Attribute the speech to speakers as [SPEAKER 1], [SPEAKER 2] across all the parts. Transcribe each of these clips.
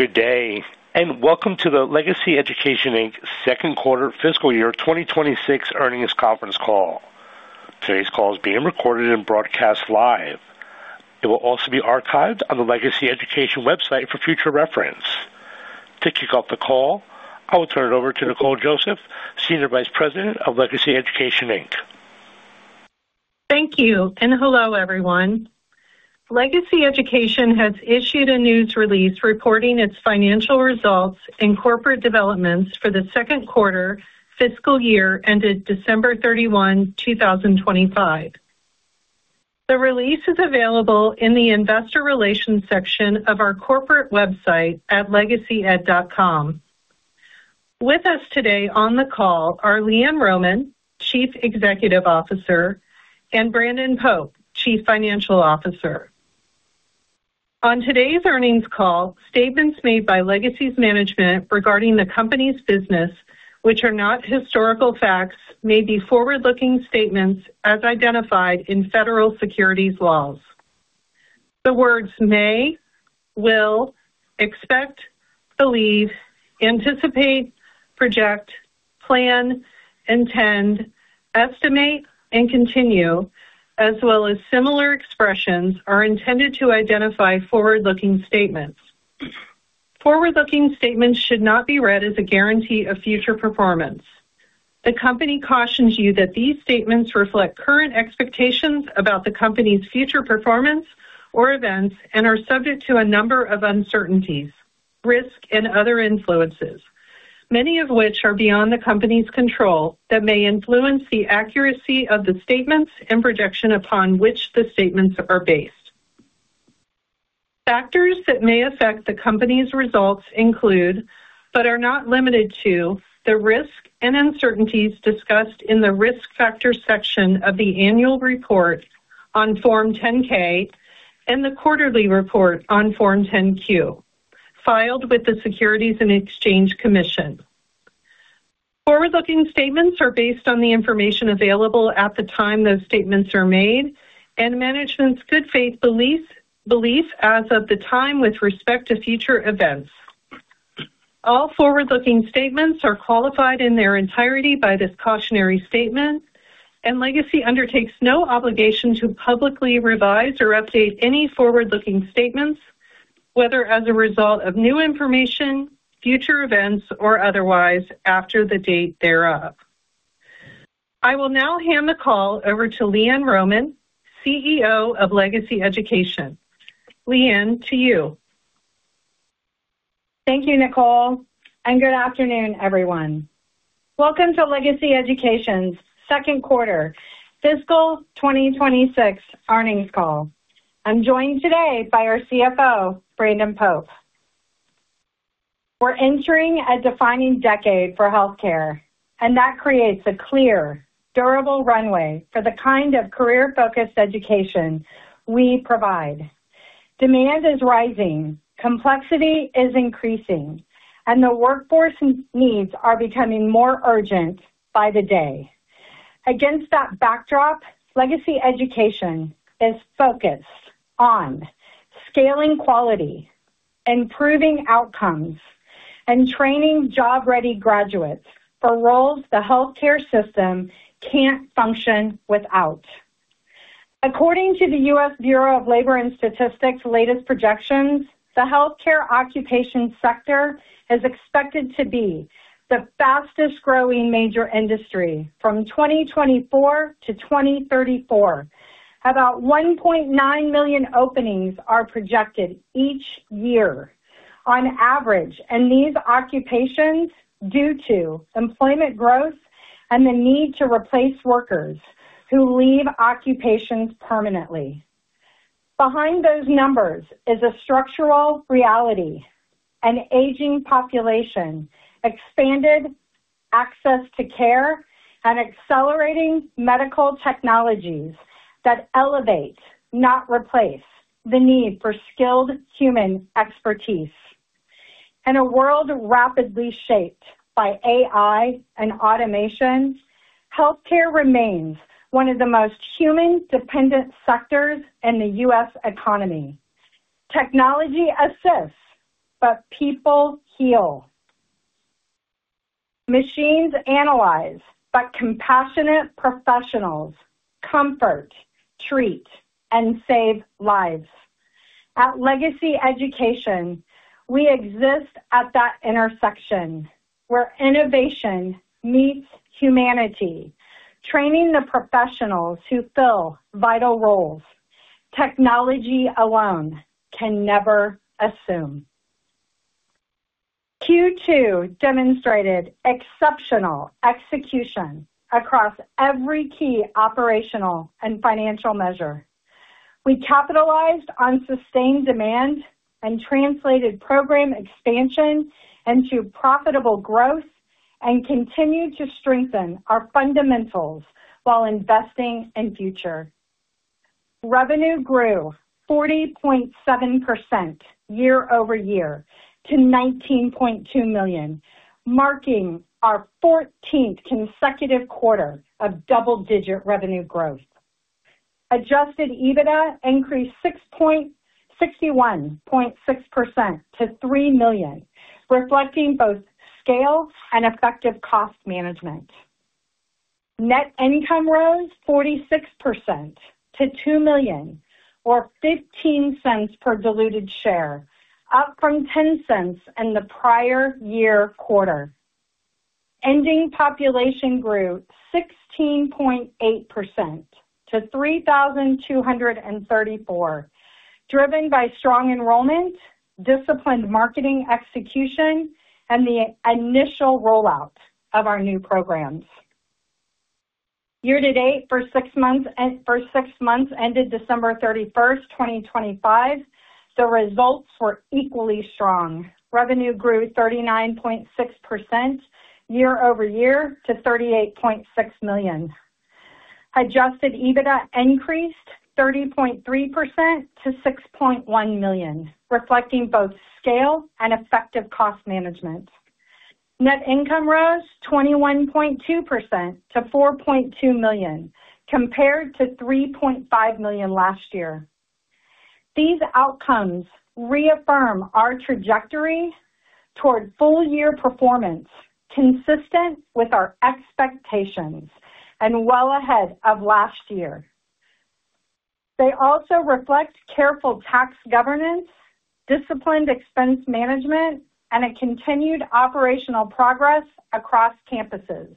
[SPEAKER 1] Good day, and welcome to the Legacy Education Inc.'s second quarter fiscal year 2026 earnings conference call. Today's call is being recorded and broadcast live. It will also be archived on the Legacy Education website for future reference. To kick off the call, I will turn it over to Nicole Joseph, Senior Vice President of Legacy Education, Inc.
[SPEAKER 2] Thank you, and hello, everyone. Legacy Education has issued a news release reporting its financial results and corporate developments for the second quarter fiscal year ended December 31, 2025. The release is available in the investor relations section of our corporate website at legacyed.com. With us today on the call are LeeAnn Rohmann, Chief Executive Officer, and Brandon Pope, Chief Financial Officer. On today's earnings call, statements made by Legacy's management regarding the company's business, which are not historical facts, may be forward-looking statements as identified in federal securities laws. The words may, will, expect, believe, anticipate, project, plan, intend, estimate, and continue, as well as similar expressions, are intended to identify forward-looking statements. Forward-looking statements should not be read as a guarantee of future performance. The company cautions you that these statements reflect current expectations about the company's future performance or events and are subject to a number of uncertainties, risk, and other influences, many of which are beyond the company's control, that may influence the accuracy of the statements and projections upon which the statements are based. Factors that may affect the company's results include, but are not limited to, the risks and uncertainties discussed in the Risk Factors section of the annual report on Form 10-K and the quarterly report on Form 10-Q, filed with the Securities and Exchange Commission. Forward-looking statements are based on the information available at the time those statements are made and management's good faith belief, belief as of the time with respect to future events. All forward-looking statements are qualified in their entirety by this cautionary statement, and Legacy undertakes no obligation to publicly revise or update any forward-looking statements, whether as a result of new information, future events, or otherwise, after the date thereof. I will now hand the call over to LeeAnn Rohmann, CEO of Legacy Education. LeeAnn, to you.
[SPEAKER 3] Thank you, Nicole, and good afternoon, everyone. Welcome to Legacy Education's second quarter fiscal 2026 earnings call. I'm joined today by our CFO, Brandon Pope. We're entering a defining decade for healthcare, and that creates a clear, durable runway for the kind of career-focused education we provide. Demand is rising, complexity is increasing, and the workforce needs are becoming more urgent by the day. Against that backdrop, Legacy Education is focused on scaling quality, improving outcomes, and training job-ready graduates for roles the healthcare system can't function without. According to the U.S. Bureau of Labor Statistics' latest projections, the healthcare occupation sector is expected to be the fastest growing major industry from 2024 to 2034. About 1.9 million openings are projected each year on average, and these occupations, due to employment growth and the need to replace workers who leave occupations permanently. Behind those numbers is a structural reality, an aging population, expanded access to care, and accelerating medical technologies that elevate, not replace, the need for skilled human expertise. In a world rapidly shaped by AI and automation, healthcare remains one of the most human-dependent sectors in the U.S. economy. Technology assists, but people heal. Machines analyze, but compassionate professionals comfort, treat, and save lives. At Legacy Education, we exist at that intersection where innovation meets humanity, training the professionals who fill vital roles. Technology alone can never assume. Q2 demonstrated exceptional execution across every key operational and financial measure. We capitalized on sustained demand and translated program expansion into profitable growth and continued to strengthen our fundamentals while investing in future. Revenue grew 40.7% year-over-year to $19.2 million, marking our fourteenth consecutive quarter of double-digit revenue growth. Adjusted EBITDA increased 61.6% to $3 million, reflecting both scale and effective cost management. Net income rose 46% to $2 million, or $0.15 per diluted share, up from $0.10 in the prior year quarter. Ending population grew 16.8% to 3,234, driven by strong enrollment, disciplined marketing execution, and the initial rollout of our new programs. Year-to-date for six months, for six months ended December 31, 2025, the results were equally strong. Revenue grew 39.6% year-over-year to $38.6 million. Adjusted EBITDA increased 30.3% to $6.1 million, reflecting both scale and effective cost management. Net income rose 21.2% to $4.2 million, compared to $3.5 million last year. These outcomes reaffirm our trajectory toward full-year performance, consistent with our expectations and well ahead of last year. They also reflect careful tax governance, disciplined expense management, and a continued operational progress across campuses.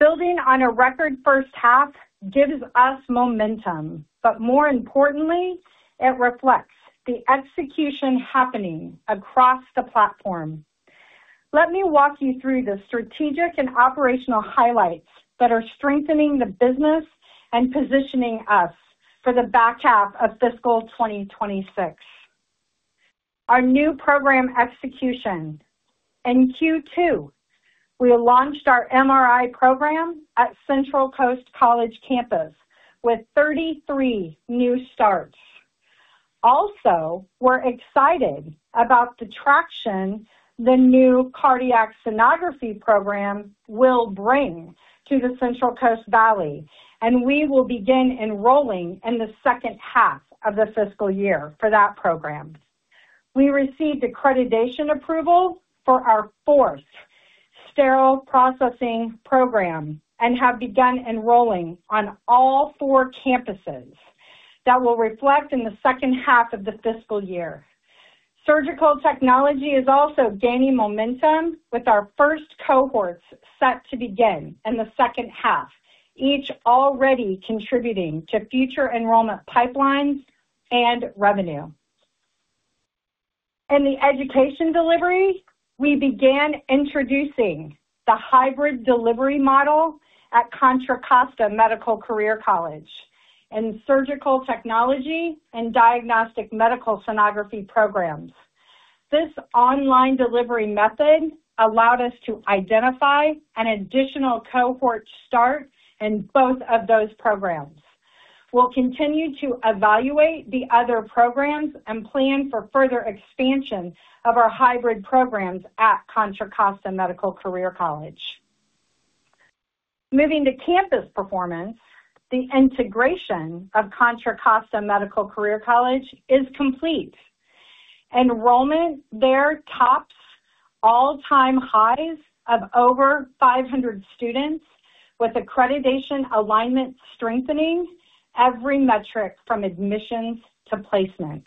[SPEAKER 3] Building on a record first half gives us momentum, but more importantly, it reflects the execution happening across the platform. Let me walk you through the strategic and operational highlights that are strengthening the business and positioning us for the back half of fiscal 2026. Our new program execution. In Q2, we launched our MRI program at Central Coast College campus with 33 new starts. Also, we're excited about the traction the new Cardiac Sonography program will bring to the Central Coast Valley, and we will begin enrolling in the second half of the fiscal year for that program. We received accreditation approval for our fourth Sterile Processing Program and have begun enrolling on all four campuses. That will reflect in the second half of the fiscal year. Surgical Technology is also gaining momentum, with our first cohorts set to begin in the second half, each already contributing to future enrollment pipelines and revenue. In the education delivery, we began introducing the Hybrid Delivery Model at Contra Costa Medical Career College in Surgical Technology and Diagnostic Medical Sonography programs. This online delivery method allowed us to identify an additional cohort start in both of those programs. We'll continue to evaluate the other programs and plan for further expansion of our hybrid programs at Contra Costa Medical Career College. Moving to campus performance, the integration of Contra Costa Medical Career College is complete. Enrollment there tops all-time highs of over 500 students, with accreditation alignment strengthening every metric from admissions to placement.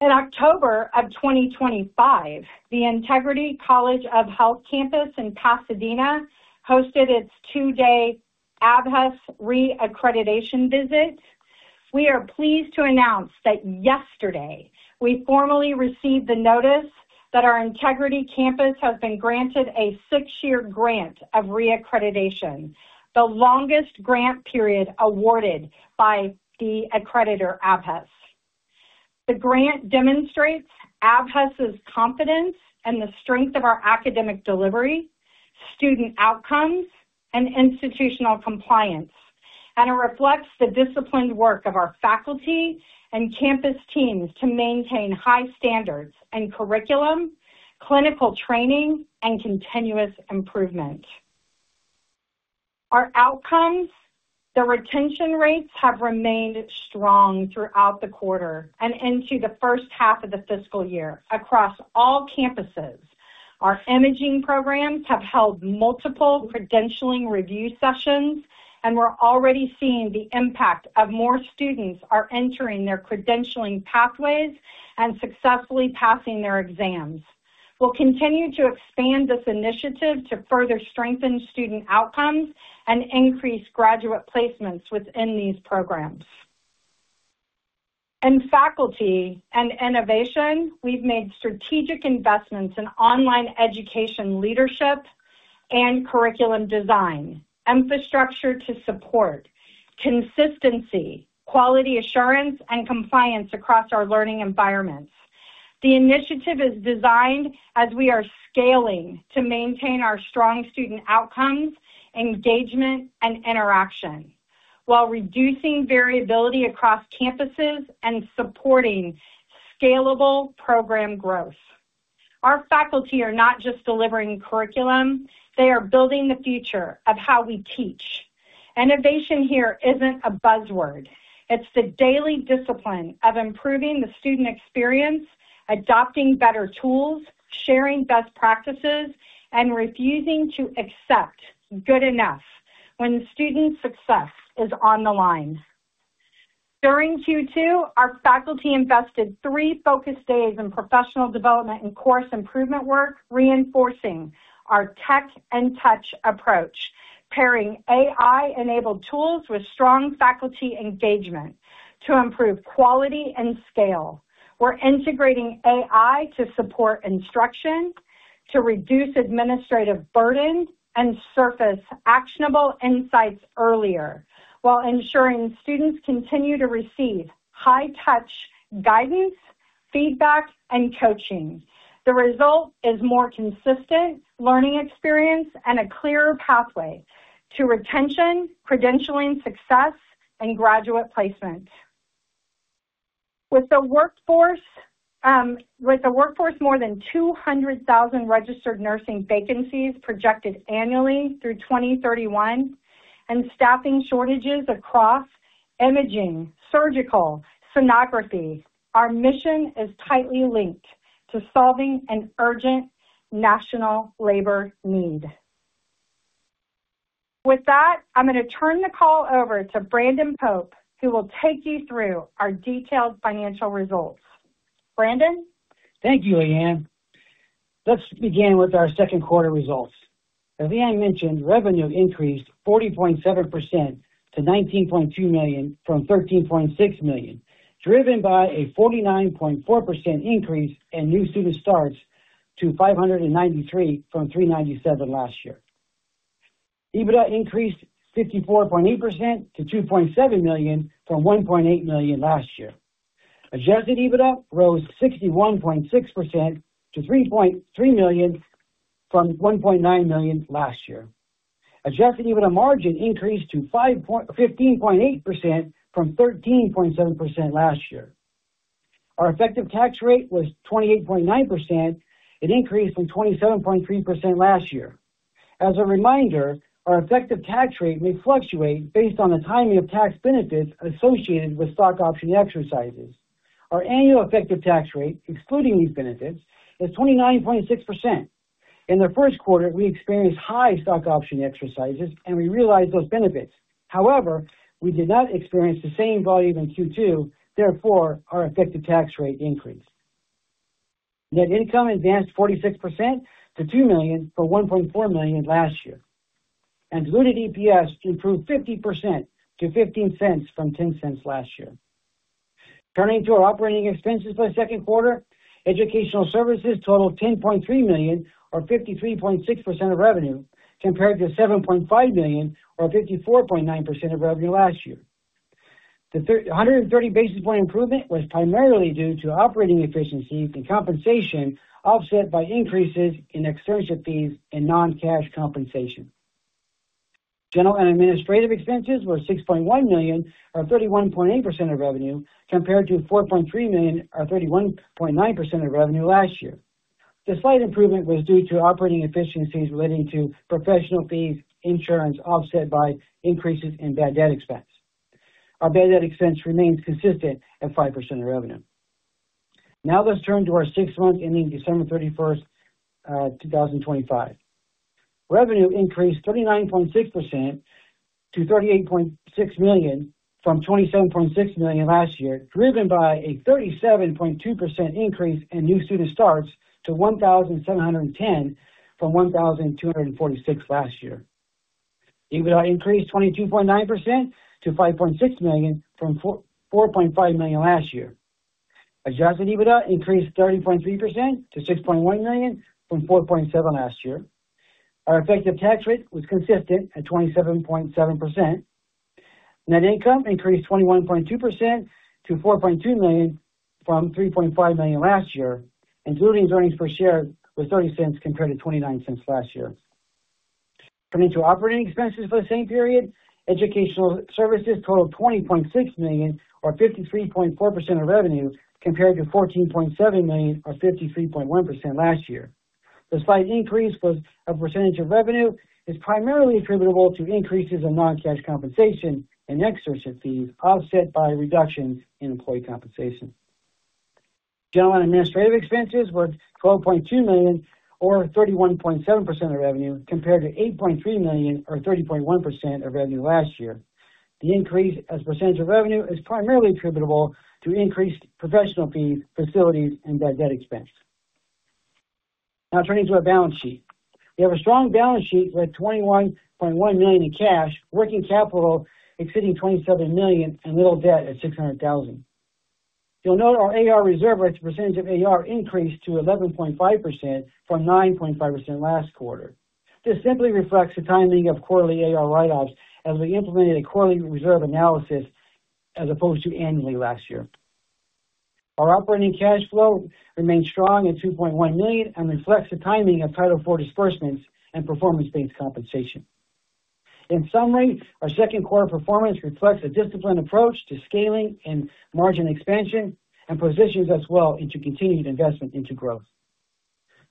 [SPEAKER 3] In October of 2025, the Integrity College of Health campus in Pasadena hosted its 2-day ABHES reaccreditation visit. We are pleased to announce that yesterday we formally received the notice that our Integrity campus has been granted a 6-year grant of reaccreditation, the longest grant period awarded by the accreditor, ABHES. The grant demonstrates ABHES's confidence in the strength of our academic delivery, student outcomes, and institutional compliance, and it reflects the disciplined work of our faculty and campus teams to maintain high standards in curriculum, clinical training, and continuous improvement. Our outcomes, the retention rates have remained strong throughout the quarter and into the first half of the fiscal year across all campuses. Our imaging programs have held multiple credentialing review sessions, and we're already seeing the impact of more students are entering their credentialing pathways and successfully passing their exams. We'll continue to expand this initiative to further strengthen student outcomes and increase graduate placements within these programs. In faculty and innovation, we've made strategic investments in online education leadership and curriculum design, infrastructure to support consistency, quality assurance, and compliance across our learning environments. The initiative is designed as we are scaling to maintain our strong student outcomes, engagement, and interaction, while reducing variability across campuses and supporting scalable program growth.... Our faculty are not just delivering curriculum, they are building the future of how we teach. Innovation here isn't a buzzword. It's the daily discipline of improving the student experience, adopting better tools, sharing best practices, and refusing to accept good enough when student success is on the line. During Q2, our faculty invested three focus days in professional development and course improvement work, reinforcing our tech and touch approach, pairing AI-enabled tools with strong faculty engagement to improve quality and scale. We're integrating AI to support instruction, to reduce administrative burden, and surface actionable insights earlier, while ensuring students continue to receive high-touch guidance, feedback, and coaching. The result is more consistent learning experience and a clearer pathway to retention, credentialing, success, and graduate placement. With the workforce, with the workforce, more than 200,000 registered nursing vacancies projected annually through 2031, and staffing shortages across imaging, surgical, sonography, our mission is tightly linked to solving an urgent national labor need. With that, I'm going to turn the call over to Brandon Pope, who will take you through our detailed financial results. Brandon?
[SPEAKER 4] Thank you, LeeAnn. Let's begin with our second quarter results. As LeeAnn mentioned, revenue increased 40.7% to $19.2 million from $13.6 million, driven by a 49.4% increase in new student starts to 593 from 397 last year. EBITDA increased 54.8% to $2.7 million from $1.8 million last year. Adjusted EBITDA rose 61.6% to $3.3 million from $1.9 million last year. Adjusted EBITDA margin increased to 15.8% from 13.7% last year. Our effective tax rate was 28.9%. It increased from 27.3% last year. As a reminder, our effective tax rate may fluctuate based on the timing of tax benefits associated with stock option exercises. Our annual effective tax rate, excluding these benefits, is 29.6%. In the first quarter, we experienced high stock option exercises, and we realized those benefits. However, we did not experience the same volume in Q2, therefore, our effective tax rate increased. Net income advanced 46% to $2 million from $1.4 million last year, and diluted EPS improved 50% to $0.15 from $0.10 last year. Turning to our operating expenses for the second quarter, educational services totaled $10.3 million, or 53.6% of revenue, compared to $7.5 million, or 54.9% of revenue last year. The three hundred and thirty basis point improvement was primarily due to operating efficiencies and compensation, offset by increases in externship fees and non-cash compensation. General and administrative expenses were $6.1 million, or 31.8% of revenue, compared to $4.3 million, or 31.9% of revenue last year. The slight improvement was due to operating efficiencies relating to professional fees, insurance, offset by increases in bad debt expense. Our bad debt expense remains consistent at 5% of revenue. Now, let's turn to our six months ending December 31, 2025. Revenue increased 39.6% to $38.6 million from $27.6 million last year, driven by a 37.2% increase in new student starts to 1,710 from 1,246 last year. EBITDA increased 22.9% to $5.6 million from $4.5 million last year. Adjusted EBITDA increased 30.3% to $6.1 million from $4.7 million last year. Our effective tax rate was consistent at 27.7%. Net income increased 21.2% to $4.2 million from $3.5 million last year, and diluted earnings per share was $0.30 compared to $0.29 last year. Turning to operating expenses for the same period, educational services totaled $20.6 million, or 53.4% of revenue, compared to $14.7 million or 53.1% last year. The slight increase was a percentage of revenue is primarily attributable to increases in non-cash compensation and externship fees, offset by a reduction in employee compensation. General and administrative expenses were $12.2 million, or 31.7% of revenue, compared to $8.3 million or 30.1% of revenue last year. The increase as a percentage of revenue is primarily attributable to increased professional fees, facilities, and bad debt expense. Now, turning to our balance sheet. We have a strong balance sheet with $21.1 million in cash, working capital exceeding $27 million, and little debt at $600,000. You'll note our AR reserve rates percentage of AR increased to 11.5% from 9.5% last quarter. This simply reflects the timing of quarterly AR write-offs as we implemented a quarterly reserve analysis as opposed to annually last year. Our operating cash flow remains strong at $2.1 million and reflects the timing of Title IV disbursements and performance-based compensation. In summary, our second quarter performance reflects a disciplined approach to scaling and margin expansion, and positions us well into continued investment into growth.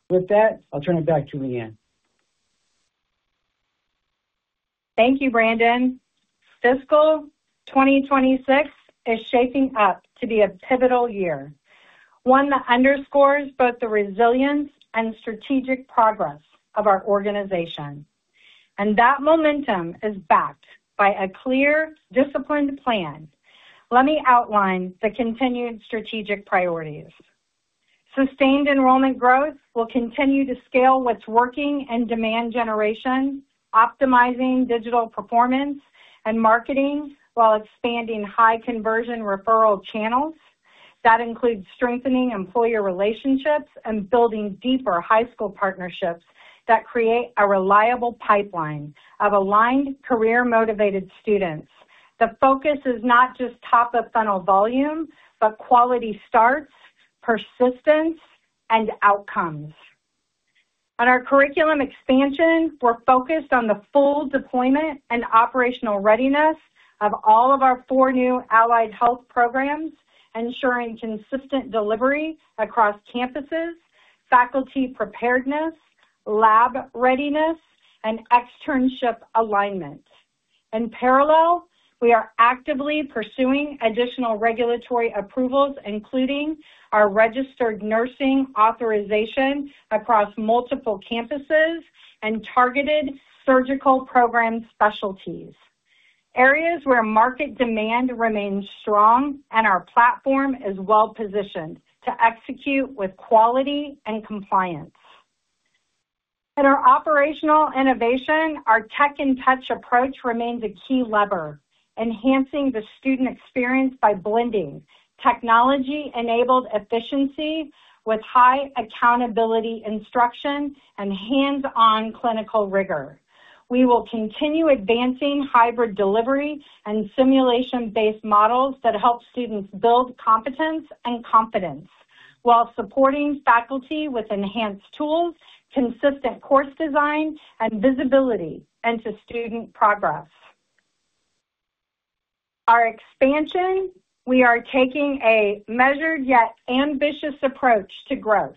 [SPEAKER 4] With that, I'll turn it back to LeeAnn.
[SPEAKER 3] Thank you, Brandon. Fiscal 2026 is shaping up to be a pivotal year, one that underscores both the resilience and strategic progress of our organization, and that momentum is backed by a clear, disciplined plan. Let me outline the continued strategic priorities. Sustained enrollment growth will continue to scale what's working in demand generation, optimizing digital performance and marketing, while expanding high conversion referral channels. That includes strengthening employer relationships and building deeper high school partnerships that create a reliable pipeline of aligned, career-motivated students. The focus is not just top-of-funnel volume, but quality starts, persistence, and outcomes. On our curriculum expansion, we're focused on the full deployment and operational readiness of all of our four new allied health programs, ensuring consistent delivery across campuses, faculty preparedness, lab readiness, and externship alignment. In parallel, we are actively pursuing additional regulatory approvals, including our registered nursing authorization across multiple campuses and targeted surgical program specialties, areas where market demand remains strong and our platform is well positioned to execute with quality and compliance. In our operational innovation, our tech and touch approach remains a key lever, enhancing the student experience by blending technology-enabled efficiency with high accountability instruction, and hands-on clinical rigor. We will continue advancing hybrid delivery and simulation-based models that help students build competence and confidence, while supporting faculty with enhanced tools, consistent course design, and visibility into student progress. Our expansion, we are taking a measured yet ambitious approach to growth,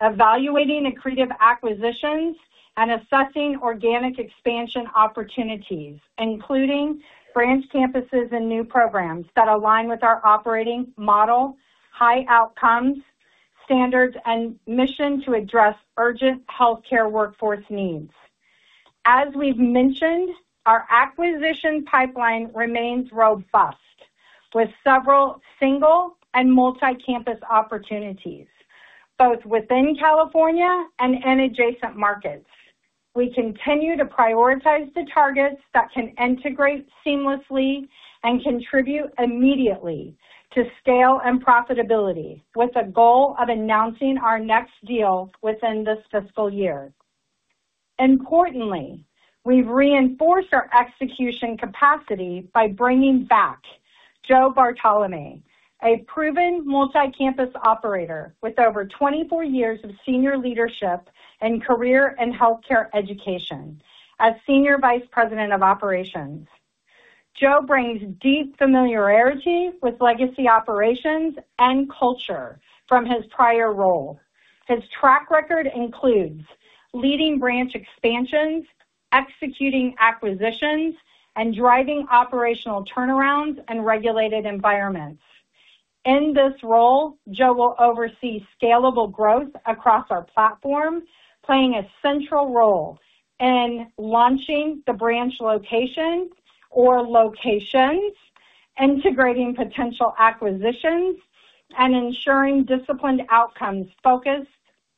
[SPEAKER 3] evaluating accretive acquisitions and assessing organic expansion opportunities, including branch campuses and new programs that align with our operating model, high outcomes, standards, and mission to address urgent healthcare workforce needs. As we've mentioned, our acquisition pipeline remains robust, with several single and multi-campus opportunities, both within California and in adjacent markets. We continue to prioritize the targets that can integrate seamlessly and contribute immediately to scale and profitability, with a goal of announcing our next deal within this fiscal year. Importantly, we've reinforced our execution capacity by bringing back Joe Bartolome, a proven multi-campus operator with over 24 years of senior leadership in career and healthcare education, as Senior Vice President of Operations. Joe brings deep familiarity with Legacy operations and culture from his prior role. His track record includes leading branch expansions, executing acquisitions, and driving operational turnarounds in regulated environments. In this role, Joe will oversee scalable growth across our platform, playing a central role in launching the branch location or locations, integrating potential acquisitions, and ensuring disciplined outcomes, focused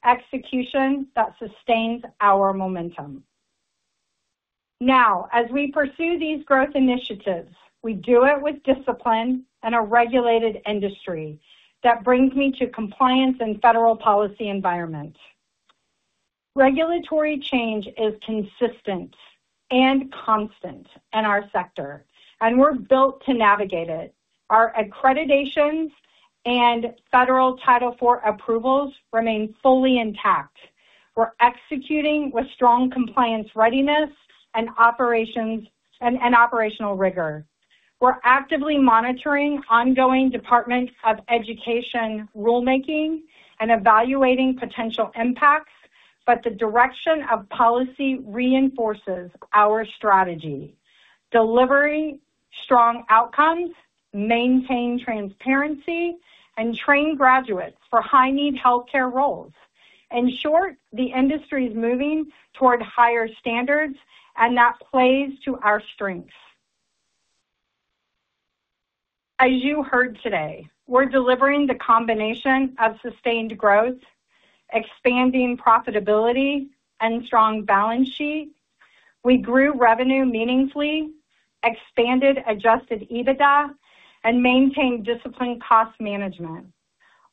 [SPEAKER 3] execution that sustains our momentum. Now, as we pursue these growth initiatives, we do it with discipline in a regulated industry. That brings me to compliance and federal policy environment. Regulatory change is consistent and constant in our sector, and we're built to navigate it. Our accreditations and federal Title IV approvals remain fully intact. We're executing with strong compliance, readiness, and operations and operational rigor. We're actively monitoring ongoing Department of Education rulemaking and evaluating potential impacts, but the direction of policy reinforces our strategy: delivering strong outcomes, maintain transparency, and train graduates for high-need healthcare roles. In short, the industry is moving toward higher standards, and that plays to our strengths. As you heard today, we're delivering the combination of sustained growth, expanding profitability, and strong balance sheet. We grew revenue meaningfully, expanded Adjusted EBITDA, and maintained disciplined cost management,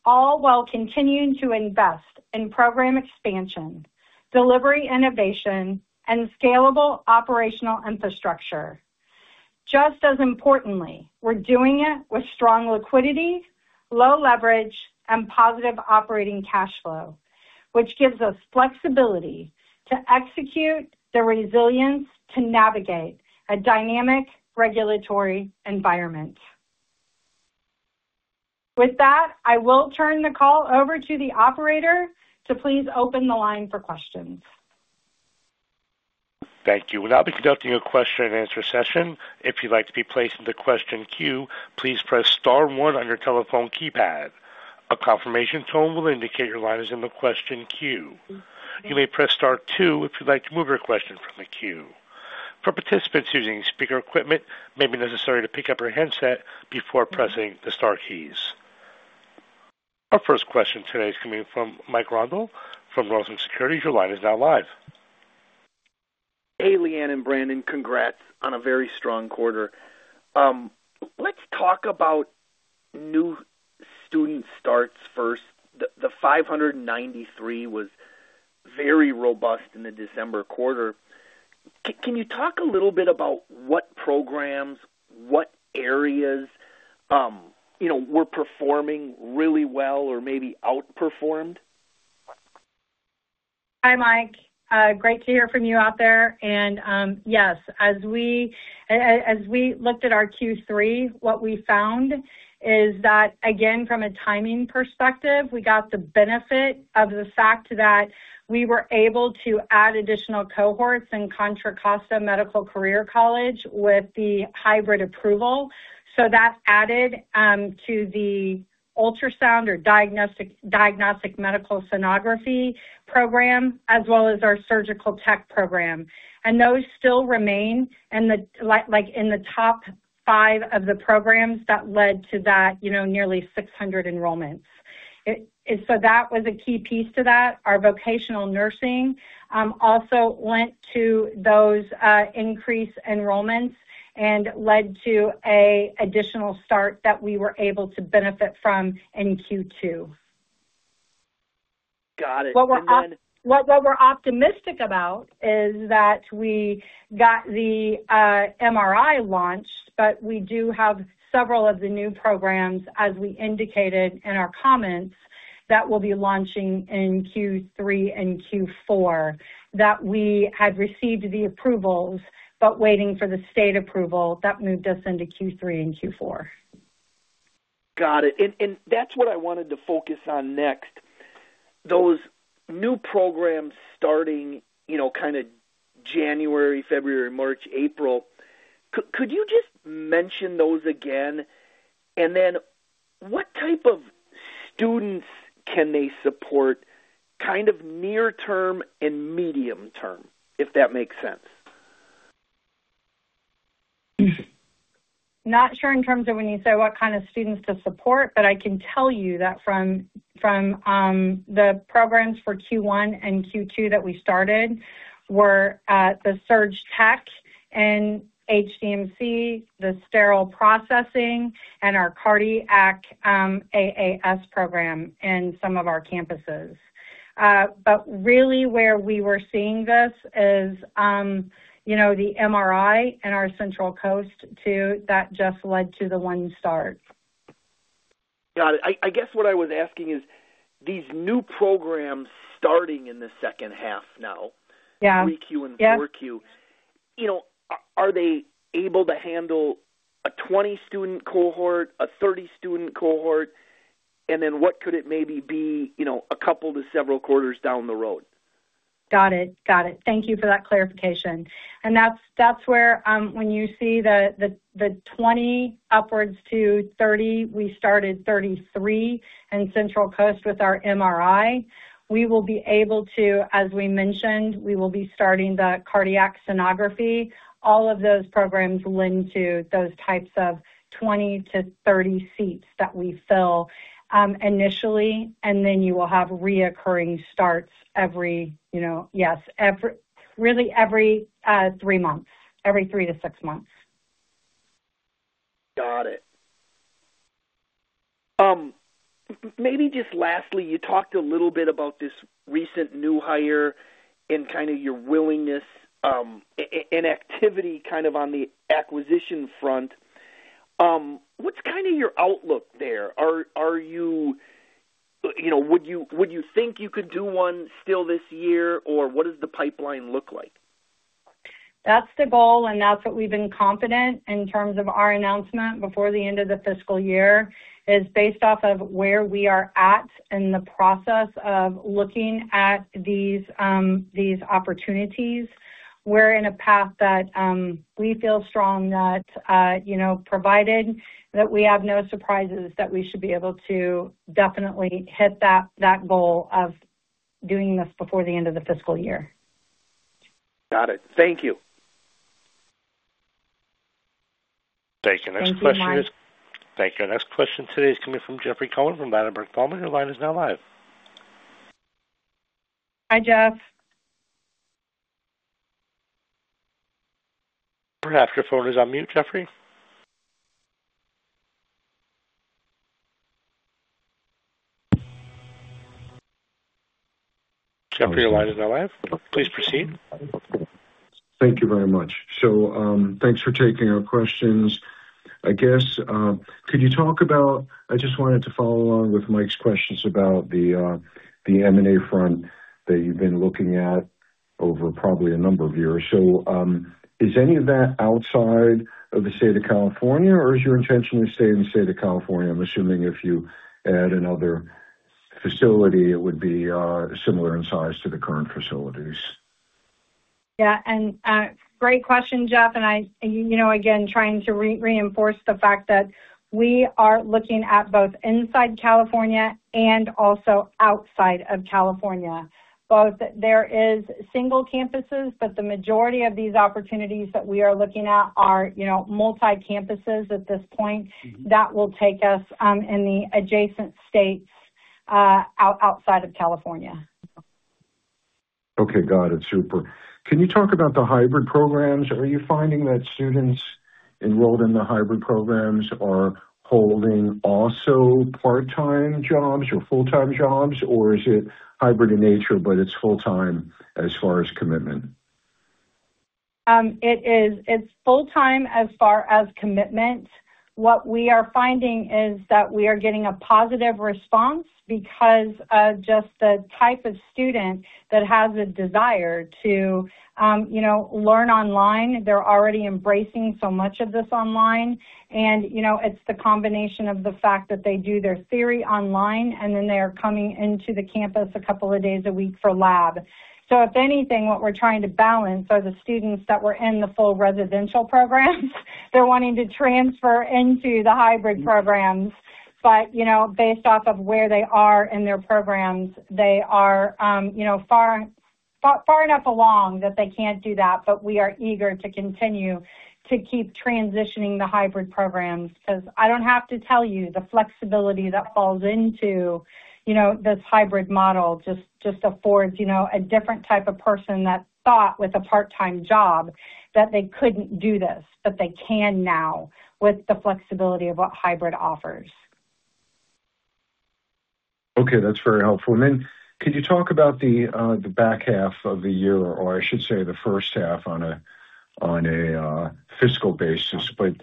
[SPEAKER 3] all while continuing to invest in program expansion, delivery innovation, and scalable operational infrastructure. Just as importantly, we're doing it with strong liquidity, low leverage, and positive operating cash flow, which gives us flexibility to execute the resilience to navigate a dynamic regulatory environment. With that, I will turn the call over to the operator to please open the line for questions.
[SPEAKER 1] Thank you. We'll now be conducting a question-and-answer session. If you'd like to be placed in the question queue, please press star one on your telephone keypad. A confirmation tone will indicate your line is in the question queue. You may press star two if you'd like to move your question from the queue. For participants using speaker equipment, it may be necessary to pick up your handset before pressing the star keys. Our first question today is coming from Mike Rundle from Rosenblatt Securities. Your line is now live.
[SPEAKER 5] Hey, LeeAnn and Brandon. Congrats on a very strong quarter. Let's talk about new student starts first. The 593 was very robust in the December quarter. Can you talk a little bit about what programs, what areas, you know, were performing really well or maybe outperformed?
[SPEAKER 3] Hi, Mike. Great to hear from you out there. And, yes, as we, as we looked at our Q3, what we found is that, again, from a timing perspective, we got the benefit of the fact that we were able to add additional cohorts in Contra Costa Medical Career College with the hybrid approval. So that added to the ultrasound or diagnostic, Diagnostic Medical Sonography program, as well as our surgical tech program. And those still remain in the, like, like in the top five of the programs that led to that, you know, nearly 600 enrollments. So that was a key piece to that. Our Vocational Nursing also lent to those increased enrollments and led to an additional start that we were able to benefit from in Q2.
[SPEAKER 6] Got it.
[SPEAKER 3] What we're optimistic about is that we got the MRI launched, but we do have several of the new programs, as we indicated in our comments, that we'll be launching in Q3 and Q4, that we had received the approvals, but waiting for the state approval. That moved us into Q3 and Q4.
[SPEAKER 6] Got it. And that's what I wanted to focus on next. Those new programs starting, you know, kind of January, February, March, April, could you just mention those again? And then what type of students can they support, kind of near term and medium term, if that makes sense?
[SPEAKER 3] Not sure in terms of when you say what kind of students to support, but I can tell you that from the programs for Q1 and Q2 that we started were the Surg Tech and HDMC, the Sterile Processing, and our Cardiac AAS program in some of our campuses. But really where we were seeing this is, you know, the MRI in our Central Coast, too. That just led to the one start.
[SPEAKER 5] Got it. I, I guess what I was asking is, these new programs starting in the second half now-
[SPEAKER 3] Yeah.
[SPEAKER 5] 3Q and 4Q.
[SPEAKER 3] Yeah.
[SPEAKER 5] You know, are they able to handle a 20-student cohort, a 30-student cohort? And then what could it maybe be, you know, a couple to several quarters down the road?
[SPEAKER 3] Got it. Got it. Thank you for that clarification. And that's where, when you see the 20 upwards to 30, we started 33 in Central Coast with our MRI. We will be able to, as we mentioned, we will be starting the Cardiac Sonography. All of those programs lend to those types of 20-30 seats that we fill initially, and then you will have recurring starts every, you know... Yes, every, really every, three months, every 3-6 months.
[SPEAKER 5] Got it. Maybe just lastly, you talked a little bit about this recent new hire and kind of your willingness and activity kind of on the acquisition front. What's kind of your outlook there? Are you, you know, would you think you could do one still this year, or what does the pipeline look like?
[SPEAKER 3] That's the goal, and that's what we've been confident in terms of our announcement before the end of the fiscal year, is based off of where we are at in the process of looking at these, these opportunities. We're in a path that, we feel strong that, you know, provided that we have no surprises, that we should be able to definitely hit that, that goal of doing this before the end of the fiscal year.
[SPEAKER 6] Got it. Thank you.
[SPEAKER 1] Thank you.
[SPEAKER 3] Thank you, Mike.
[SPEAKER 1] Thank you. Our next question today is coming from Jeffrey Cohen from Ladenburg Thalmann. Your line is now live.
[SPEAKER 3] Hi, Jeff.
[SPEAKER 1] Perhaps your phone is on mute, Jeffrey? Jeffrey, your line is now live. Please proceed.
[SPEAKER 7] Thank you very much. So, thanks for taking our questions. I just wanted to follow along with Mike's questions about the M&A front that you've been looking at over probably a number of years. So, is any of that outside of the state of California, or is your intention to stay in the state of California? I'm assuming if you add another facility, it would be similar in size to the current facilities.
[SPEAKER 3] Yeah, and, great question, Jeff, and I, you know, again, trying to reinforce the fact that we are looking at both inside California and also outside of California. Both there is single campuses, but the majority of these opportunities that we are looking at are, you know, multi-campuses at this point. That will take us in the adjacent states outside of California.
[SPEAKER 7] Okay, got it. Super. Can you talk about the hybrid programs? Are you finding that students enrolled in the hybrid programs are holding also part-time jobs or full-time jobs, or is it hybrid in nature, but it's full-time as far as commitment?
[SPEAKER 3] It is. It's full-time as far as commitment. What we are finding is that we are getting a positive response because of just the type of student that has a desire to, you know, learn online. They're already embracing so much of this online, and, you know, it's the combination of the fact that they do their theory online, and then they are coming into the campus a couple of days a week for lab. So if anything, what we're trying to balance are the students that were in the full residential programs. They're wanting to transfer into the hybrid programs, but, you know, based off of where they are in their programs, they are, you know, far, far, far enough along that they can't do that. We are eager to continue to keep transitioning the hybrid programs, 'cause I don't have to tell you, the flexibility that falls into, you know, this hybrid model just affords, you know, a different type of person that thought, with a part-time job, that they couldn't do this, but they can now with the flexibility of what hybrid offers.
[SPEAKER 7] Okay, that's very helpful. And then could you talk about the back half of the year, or I should say, the first half on a fiscal basis, but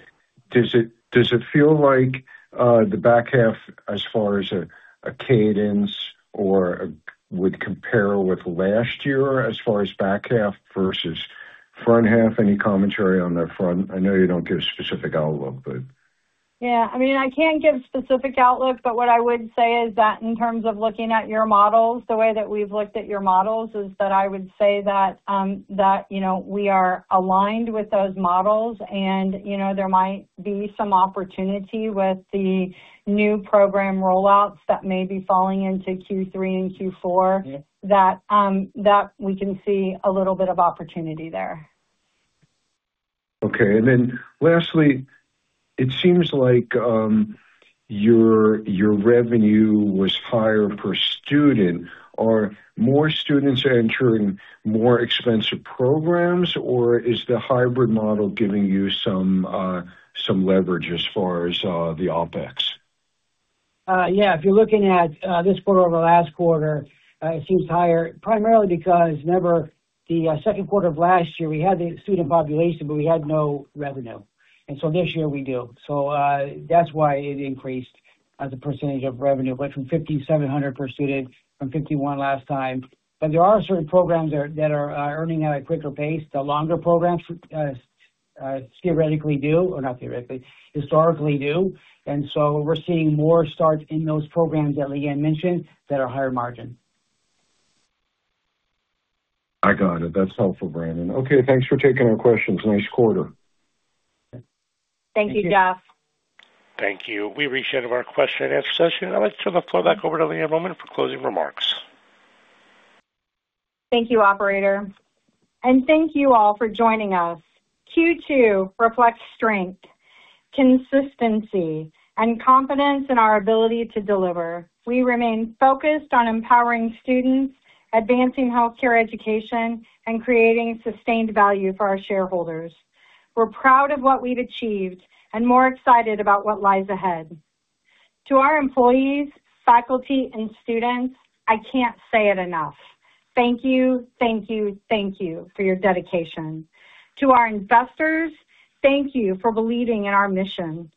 [SPEAKER 7] does it feel like the back half as far as a cadence or would compare with last year as far as back half versus front half? Any commentary on that front? I know you don't give specific outlook, but...
[SPEAKER 3] Yeah, I mean, I can't give specific outlook, but what I would say is that in terms of looking at your models, the way that we've looked at your models, is that I would say that, you know, we are aligned with those models and, you know, there might be some opportunity with the new program rollouts that may be falling into Q3 and Q4-
[SPEAKER 7] Yeah.
[SPEAKER 3] -that we can see a little bit of opportunity there.
[SPEAKER 7] Okay. Lastly, it seems like your revenue was higher per student. Are more students entering more expensive programs, or is the hybrid model giving you some leverage as far as the OpEx?
[SPEAKER 4] Yeah, if you're looking at this quarter over last quarter, it seems higher primarily because in the second quarter of last year, we had the student population, but we had no revenue. And so this year we do. So, that's why it increased as a percentage of revenue, went from $5,700 per student from $51 last time. But there are certain programs that are earning at a quicker pace. The longer programs theoretically do, or not theoretically, historically do. And so we're seeing more starts in those programs that LeeAnn mentioned that are higher margin.
[SPEAKER 7] I got it. That's helpful, Brandon. Okay, thanks for taking our questions. Nice quarter.
[SPEAKER 3] Thank you, Jeff.
[SPEAKER 4] Thank you.
[SPEAKER 1] Thank you. We've reached the end of our question-and-answer session. I'd like to turn the floor back over to LeeAnn Rohmann for closing remarks.
[SPEAKER 3] Thank you, operator, and thank you all for joining us. Q2 reflects strength, consistency, and confidence in our ability to deliver. We remain focused on empowering students, advancing healthcare education, and creating sustained value for our shareholders. We're proud of what we've achieved and more excited about what lies ahead. To our employees, faculty, and students, I can't say it enough, thank you, thank you, thank you for your dedication. To our investors, thank you for believing in our mission.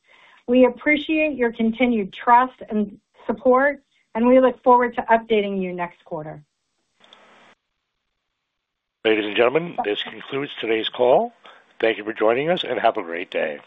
[SPEAKER 3] We appreciate your continued trust and support, and we look forward to updating you next quarter.
[SPEAKER 1] Ladies and gentlemen, this concludes today's call. Thank you for joining us, and have a great day.